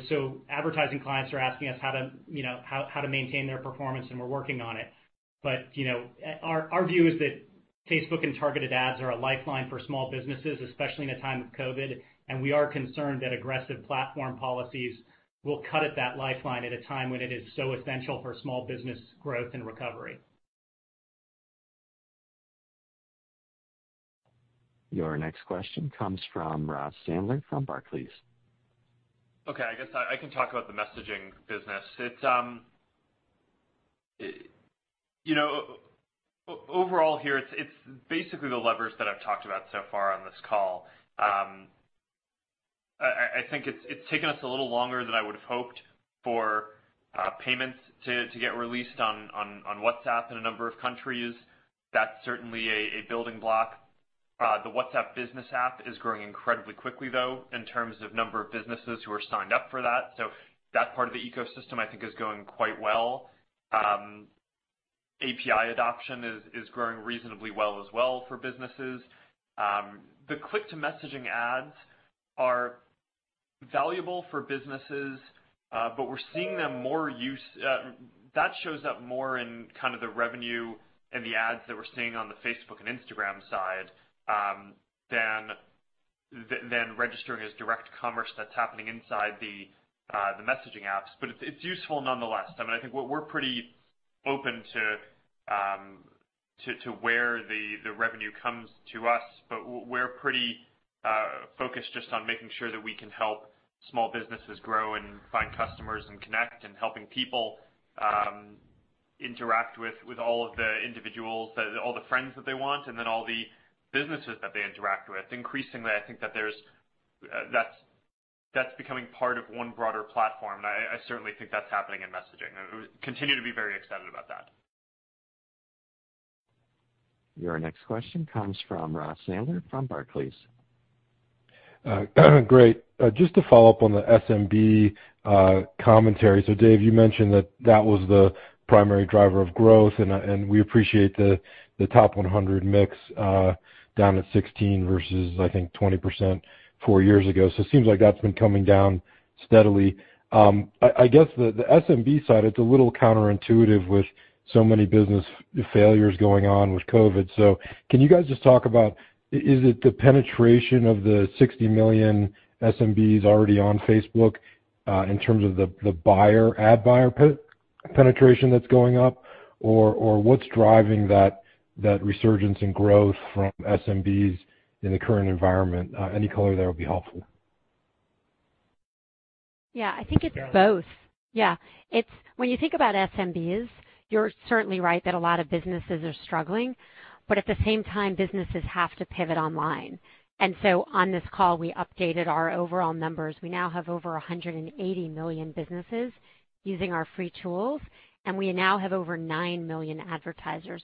advertising clients are asking us how to, you know, how to maintain their performance, we're working on it. you know, our view is that Facebook and targeted ads are a lifeline for small businesses, especially in a time of COVID, we are concerned that aggressive platform policies will cut at that lifeline at a time when it is so essential for small business growth and recovery. Your next question comes from Ross Sandler from Barclays. Okay. I guess I can talk about the messaging business. It's, you know, overall here, it's basically the levers that I've talked about so far on this call. I think it's taken us a little longer than I would've hoped for payments to get released on WhatsApp in a number of countries. That's certainly a building block. The WhatsApp Business app is growing incredibly quickly, though, in terms of number of businesses who are signed up for that. That part of the ecosystem, I think, is going quite well. API adoption is growing reasonably well as well for businesses. The click-to-message ads are valuable for businesses, but we're seeing them more use, that shows up more in kind of the revenue and the ads that we're seeing on the Facebook and Instagram side, than registering as direct commerce that's happening inside the messaging apps. It's useful nonetheless. I mean, I think what we're pretty open to where the revenue comes to us, but we're pretty focused just on making sure that we can help small businesses grow and find customers and connect and helping people interact with all of the individuals, all the friends that they want and all the businesses that they interact with. Increasingly, I think that there's that's becoming part of one broader platform. I certainly think that's happening in messaging. We continue to be very excited about that. Your next question comes from Ross Sandler from Barclays. Great. Just to follow up on the SMB commentary. Dave, you mentioned that that was the primary driver of growth, and we appreciate the top 100 mix down to 16 versus, I think, 20% four years ago. It seems like that's been coming down steadily. I guess the SMB side, it's a little counterintuitive with so many business failures going on with COVID. Can you guys just talk about is it the penetration of the 60 million SMBs already on Facebook in terms of the buyer, ad buyer penetration that's going up? What's driving that resurgence in growth from SMBs in the current environment? Any color there would be helpful. Yeah. I think it's both. Yeah. When you think about SMBs, you're certainly right that a lot of businesses are struggling, at the same time, businesses have to pivot online. On this call, we updated our overall numbers. We now have over 180 million businesses using our free tools, we now have over 9 million advertisers.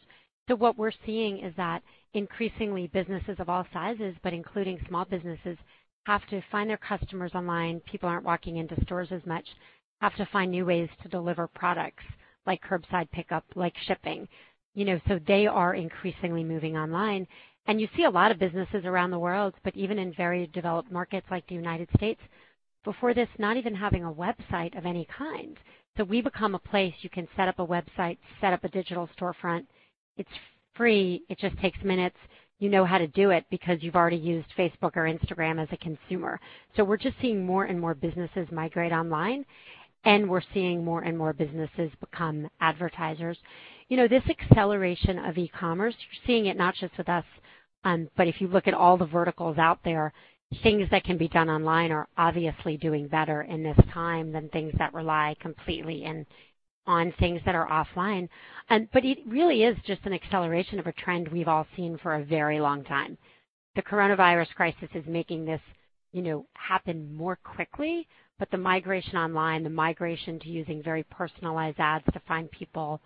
What we're seeing is that increasingly, businesses of all sizes, including small businesses, have to find their customers online. People aren't walking into stores as much. Have to find new ways to deliver products like curbside pickup, like shipping. You know, they are increasingly moving online. You see a lot of businesses around the world, even in very developed markets like the U.S. Before this, not even having a website of any kind. We've become a place you can set up a website, set up a digital storefront. It's free. It just takes minutes. You know how to do it because you've already used Facebook or Instagram as a consumer. We're just seeing more and more businesses migrate online, and we're seeing more and more businesses become advertisers. You know, this acceleration of e-commerce, you're seeing it not just with us, but if you look at all the verticals out there, things that can be done online are obviously doing better in this time than things that rely completely on things that are offline. It really is just an acceleration of a trend we've all seen for a very long time. The coronavirus crisis is making this, you know, happen more quickly, but the migration online, the migration to using very personalized ads to find people who are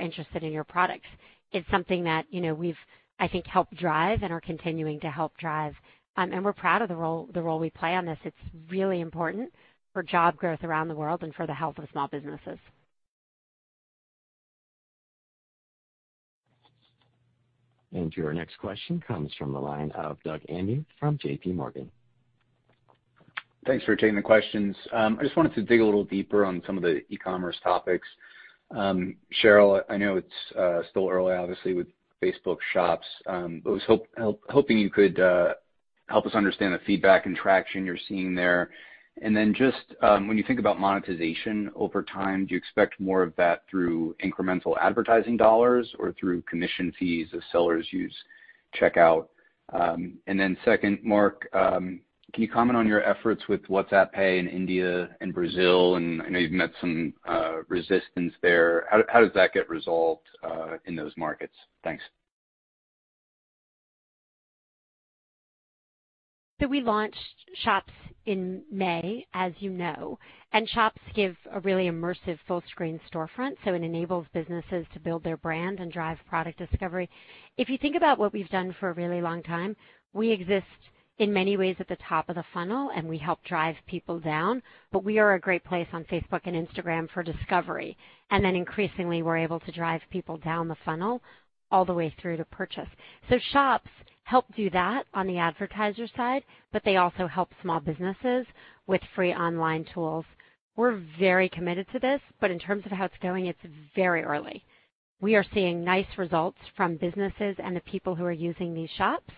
interested in your products is something that, you know, we've, I think, helped drive and are continuing to help drive. We're proud of the role we play on this. It's really important for job growth around the world and for the health of small businesses. Your next question comes from the line of Doug Anmuth from JPMorgan. Thanks for taking the questions. I just wanted to dig a little deeper on some of the e-commerce topics. Sheryl Sandberg, I know it's still early, obviously, with Facebook Shops, but was hoping you could help us understand the feedback and traction you're seeing there. Then just, when you think about monetization over time, do you expect more of that through incremental advertising dollars or through commission fees as sellers use checkout? Then second, Mark Zuckerberg, can you comment on your efforts with WhatsApp Pay in India and Brazil? I know you've met some resistance there. How does that get resolved in those markets? Thanks. We launched Shops in May, as you know, and Shops give a really immersive full-screen storefront, so it enables businesses to build their brand and drive product discovery. If you think about what we've done for a really long time, we exist in many ways at the top of the funnel, and we help drive people down. We are a great place on Facebook and Instagram for discovery. Increasingly, we're able to drive people down the funnel all the way through to purchase. Shops help do that on the advertiser side, but they also help small businesses with free online tools. We're very committed to this, but in terms of how it's going, it's very early. We are seeing nice results from businesses and the people who are using these Shops.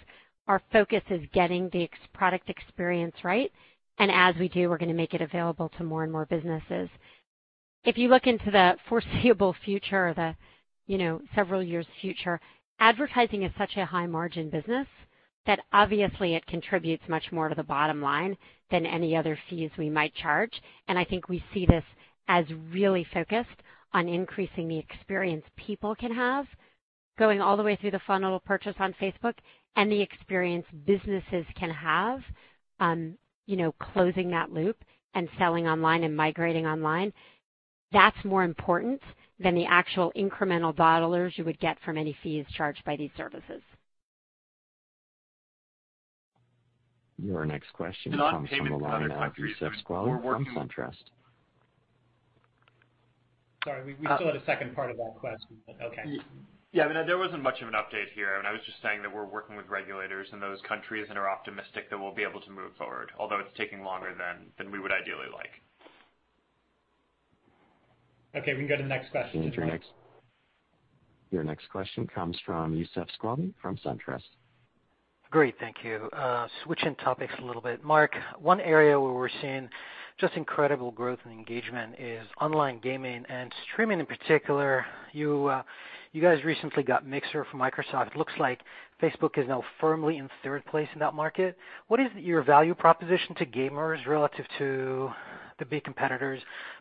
Our focus is getting the product experience right, and as we do, we're gonna make it available to more and more businesses. If you look into the foreseeable future, the, you know, several years future, advertising is such a high-margin business that obviously it contributes much more to the bottom line than any other fees we might charge. I think we see this as really focused on increasing the experience people can have, going all the way through the funnel of purchase on Facebook, and the experience businesses can have, you know, closing that loop and selling online and migrating online. That's more important than the actual incremental dollars you would get from any fees charged by these services. Your next question comes from the line of Youssef Squali from SunTrust. Sorry, we still had a second part of that question, but okay. Yeah, I mean, there wasn't much of an update here. I was just saying that we're working with regulators in those countries and are optimistic that we'll be able to move forward, although it's taking longer than we would ideally like. Okay, we can go to the next question. Your next question comes from Youssef Squali from SunTrust. Great. Thank you. Switching topics a little bit. Mark, one area where we're seeing just incredible growth and engagement is online gaming and streaming in particular. You, you guys recently got Mixer from Microsoft. It looks like Facebook is now firmly in third place in that market. What is your value proposition to gamers relative to the big competitors,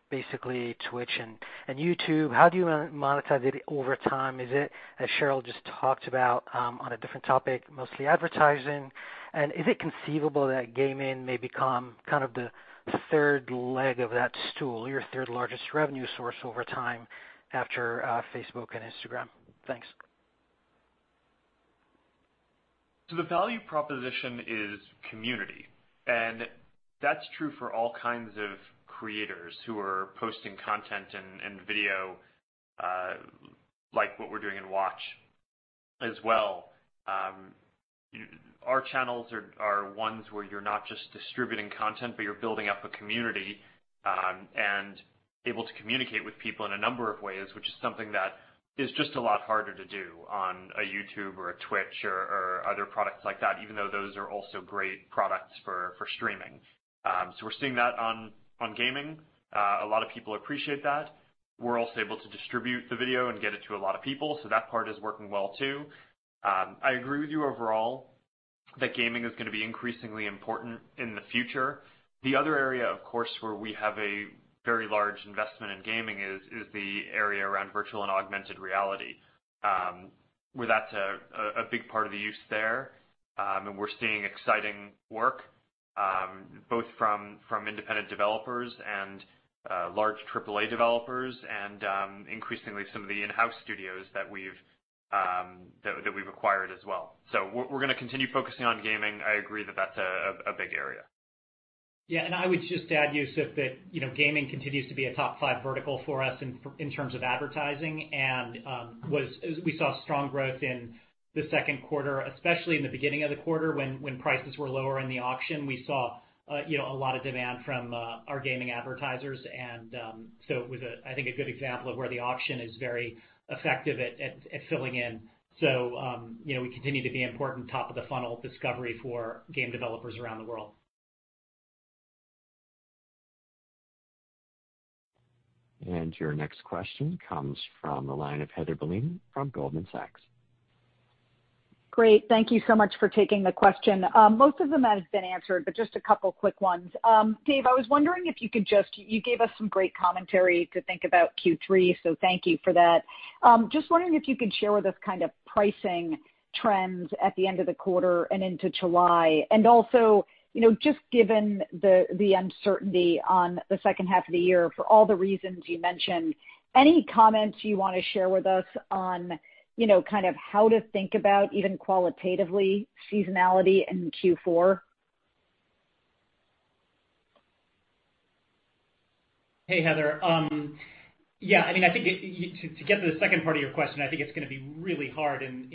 basically Twitch and YouTube? How do you monetize it over time? Is it, as Sheryl just talked about, on a different topic, mostly advertising? Is it conceivable that gaming may become kind of the third leg of that stool, your third-largest revenue source over time after Facebook and Instagram? Thanks. The value proposition is community, and that's true for all kinds of creators who are posting content and video, like what we're doing in Watch as well. Our channels are ones where you're not just distributing content, but you're building up a community and able to communicate with people in a number of ways, which is something that is just a lot harder to do on a YouTube or a Twitch or other products like that, even though those are also great products for streaming. We're seeing that on gaming. A lot of people appreciate that. We're also able to distribute the video and get it to a lot of people, so that part is working well, too. I agree with you overall that gaming is gonna be increasingly important in the future. The other area, of course, where we have a very large investment in gaming is the area around virtual and augmented reality, where that's a big part of the use there. We're seeing exciting work both from independent developers and large AAA developers and increasingly some of the in-house studios that we've acquired as well. We're gonna continue focusing on gaming. I agree that that's a big area. I would just add, Youssef, that, you know, gaming continues to be a top 5 vertical for us in terms of advertising. We saw strong growth in the second quarter, especially in the beginning of the quarter when prices were lower in the auction. We saw, you know, a lot of demand from our gaming advertisers and it was, I think, a good example of where the auction is very effective at filling in. You know, we continue to be important top of the funnel discovery for game developers around the world. Your next question comes from the line of Heather Bellini from Goldman Sachs. Great. Thank you so much for taking the question. Most of them have been answered, but just a couple quick ones. Dave, you gave us some great commentary to think about Q3, so thank you for that. Just wondering if you could share with us kind of pricing trends at the end of the quarter and into July. Also, you know, just given the uncertainty on the second half of the year for all the reasons you mentioned, any comments you wanna share with us on, you know, kind of how to think about even qualitatively seasonality in Q4? Hey, Heather. Yeah, I mean, I think to get to the second part of your question, I think it's gonna be really hard in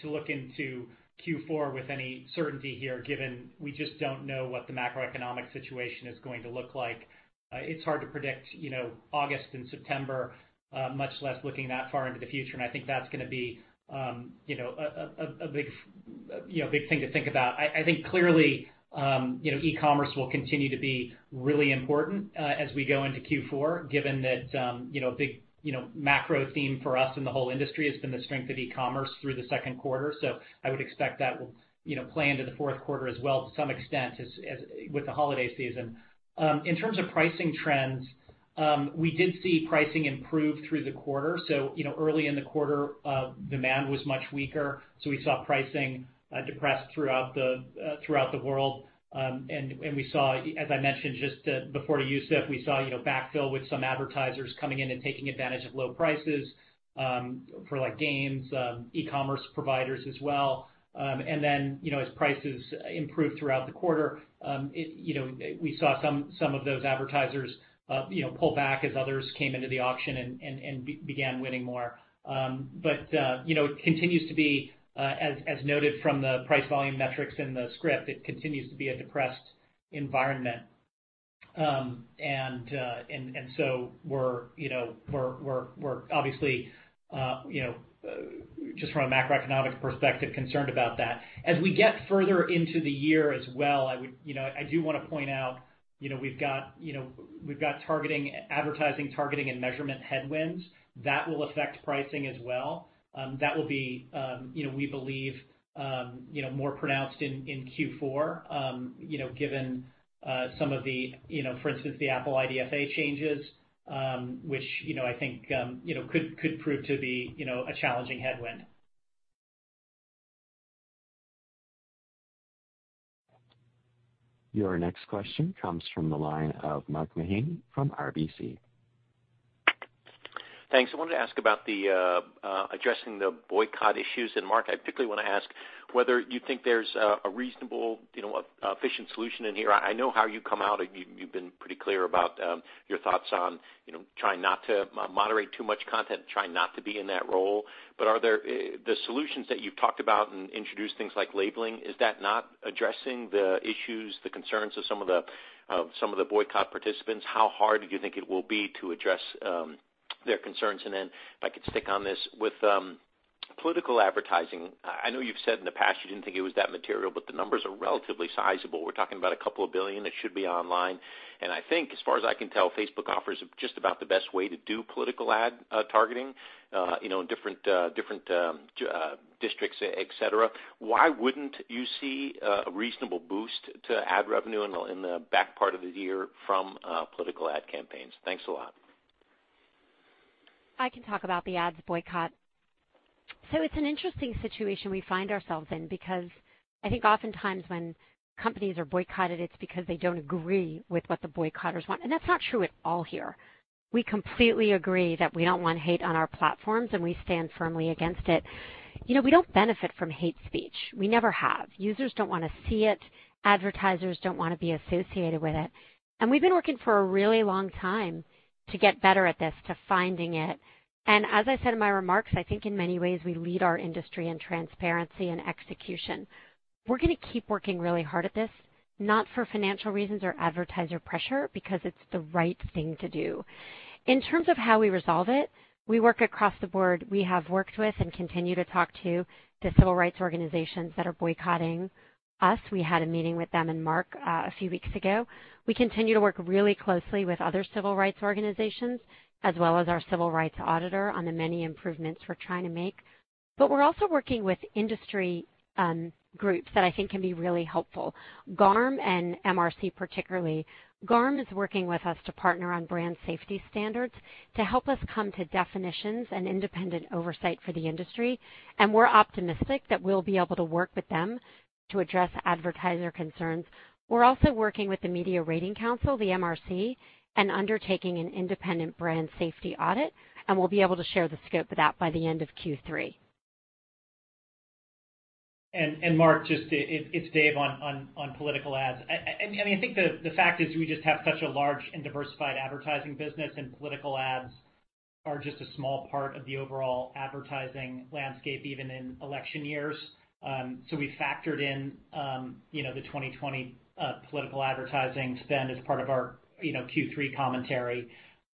to look into Q4 with any certainty here, given we just don't know what the macroeconomic situation is going to look like. It's hard to predict, you know, August and September, much less looking that far into the future. I think that's gonna be, you know, a big thing to think about. I think clearly, you know, e-commerce will continue to be really important as we go into Q4, given that, you know, a big macro theme for us in the whole industry has been the strength of e-commerce through the second quarter. I would expect that will, you know, play into the fourth quarter as well to some extent as with the holiday season. In terms of pricing trends, we did see pricing improve through the quarter. Early in the quarter, demand was much weaker, so we saw pricing depressed throughout the world. We saw, as I mentioned just before to Youssef, we saw, you know, backfill with some advertisers coming in and taking advantage of low prices, for like games, e-commerce providers as well. Then, as prices improved throughout the quarter, it, you know, we saw some of those advertisers, you know, pull back as others came into the auction and began winning more. You know, it continues to be, as noted from the price volume metrics in the script, it continues to be a depressed environment. We're, you know, we're obviously, you know, just from a macroeconomic perspective, concerned about that. As we get further into the year as well, I would, I do wanna point out, we've got targeting, advertising targeting and measurement headwinds that will affect pricing as well. That will be, we believe, more pronounced in Q4, given some of the, for instance, the Apple IDFA changes, which, I think, could prove to be a challenging headwind. Your next question comes from the line of Mark Mahaney from RBC. Thanks. I wanted to ask about addressing the boycott issues. Mark, I particularly wanna ask whether you think there's a reasonable, you know, efficient solution in here. I know how you come out. You've been pretty clear about your thoughts on, you know, trying not to moderate too much content, trying not to be in that role. Are there the solutions that you've talked about and introduced things like labeling, is that not addressing the issues, the concerns of some of the boycott participants? How hard do you think it will be to address their concerns? If I could stick on this. With political advertising, I know you've said in the past you didn't think it was that material, but the numbers are relatively sizable. We're talking about $2 billion that should be online. I think as far as I can tell, Facebook offers just about the best way to do political ad targeting, you know, in different districts, et cetera. Why wouldn't you see a reasonable boost to ad revenue in the back part of the year from political ad campaigns? Thanks a lot. I can talk about the ads boycott. It's an interesting situation we find ourselves in because I think oftentimes when companies are boycotted, it's because they don't agree with what the boycotters want. That's not true at all here. We completely agree that we don't want hate on our platforms, and we stand firmly against it. You know, we don't benefit from hate speech. We never have. Users don't wanna see it. Advertisers don't wanna be associated with it. We've been working for a really long time to get better at this, to finding it. As I said in my remarks, I think in many ways we lead our industry in transparency and execution. We're gonna keep working really hard at this, not for financial reasons or advertiser pressure, because it's the right thing to do. In terms of how we resolve it, we work across the board. We have worked with and continue to talk to the civil rights organizations that are boycotting us. We had a meeting with them and Mark a few weeks ago. We continue to work really closely with other civil rights organizations, as well as our civil rights auditor on the many improvements we're trying to make. We're also working with industry groups that I think can be really helpful, GARM and MRC, particularly. GARM is working with us to partner on brand safety standards to help us come to definitions and independent oversight for the industry. We're optimistic that we'll be able to work with them to address advertiser concerns. We're also working with the Media Rating Council, the MRC, and undertaking an independent brand safety audit, and we'll be able to share the scope of that by the end of Q3. Mark, just, it's Dave Wehner on political ads. I mean, I think the fact is we just have such a large and diversified advertising business, and political ads are just a small part of the overall advertising landscape, even in election years. So we factored in, you know, the 2020 political advertising spend as part of our, you know, Q3 commentary.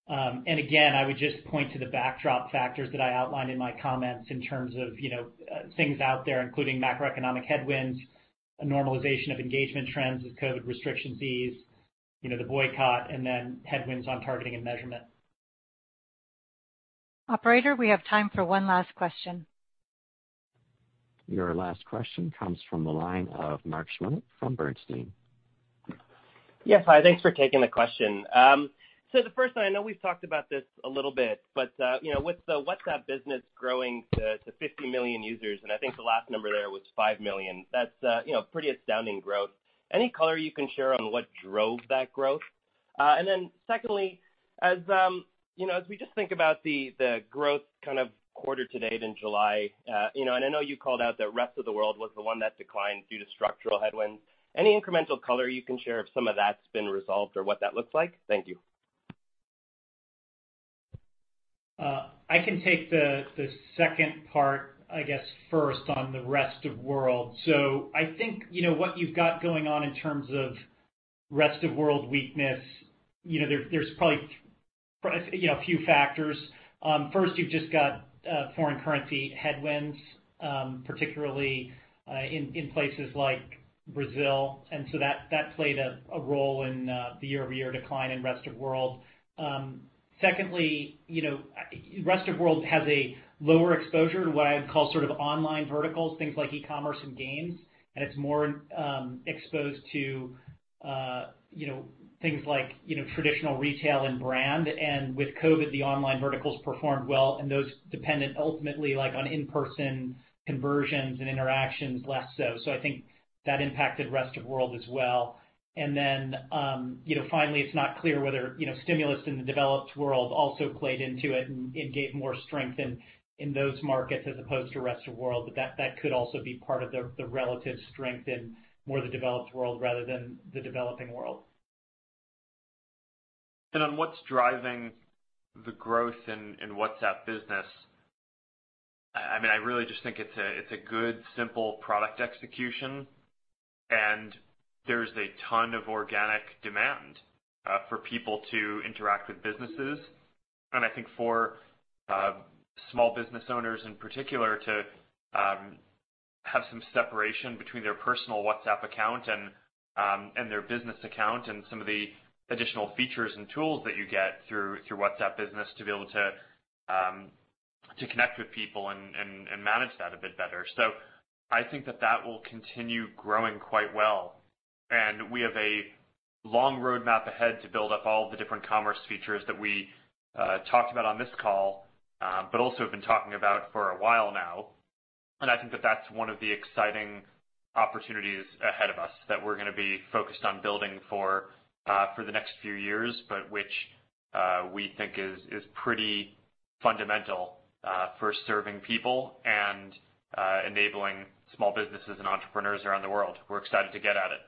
Again, I would just point to the backdrop factors that I outlined in my comments in terms of, you know, things out there, including macroeconomic headwinds, a normalization of engagement trends as COVID restrictions ease, you know, the boycott, and then headwinds on targeting and measurement. Operator, we have time for one last question. Your last question comes from the line of Mark Shmulik from Bernstein. Yes. Hi, thanks for taking the question. The first one, I know we've talked about this a little bit, but, you know, with the WhatsApp Business growing to 50 million users, and I think the last number there was 5 million, that's, you know, pretty astounding growth. Any color you can share on what drove that growth? Secondly, as, you know, as we just think about the growth kind of quarter to date in July, you know, and I know you called out that rest of the world was the one that declined due to structural headwinds. Any incremental color you can share if some of that's been resolved or what that looks like? Thank you. I can take the second part, I guess, first on the rest of world. I think what you've got going on in terms of rest of world weakness, there's probably a few factors. First, you've just got foreign currency headwinds, particularly in places like Brazil. That played a role in the year-over-year decline in rest of world. Secondly, rest of world has a lower exposure to what I'd call sort of online verticals, things like e-commerce and games, and it's more exposed to things like traditional retail and brand. With COVID, the online verticals performed well, and those dependent ultimately on in-person conversions and interactions less so. I think that impacted rest of world as well. You know, finally, it's not clear whether, you know, stimulus in the developed world also played into it, and it gave more strength in those markets as opposed to rest of world. That could also be part of the relative strength in more of the developed world rather than the developing world. On what's driving the growth in WhatsApp Business, I mean, I really just think it's a good, simple product execution, and there's a ton of organic demand for people to interact with businesses. I think for small business owners in particular to have some separation between their personal WhatsApp account and their business account and some of the additional features and tools that you get through WhatsApp Business to be able to connect with people and manage that a bit better. I think that will continue growing quite well. We have a long roadmap ahead to build up all the different commerce features that we talked about on this call, but also have been talking about for a while now. I think that that's one of the exciting opportunities ahead of us that we're gonna be focused on building for the next few years, but which, we think is pretty fundamental, for serving people and, enabling small businesses and entrepreneurs around the world. We're excited to get at it.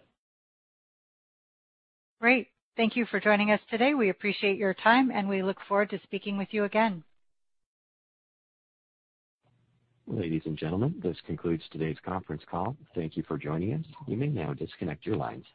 Great. Thank you for joining us today. We appreciate your time, and we look forward to speaking with you again. Ladies and gentlemen, this concludes today's conference call. Thank you for joining us. You may now disconnect your lines.